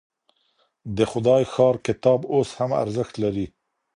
د خدای ښار کتاب اوس هم ارزښت لري.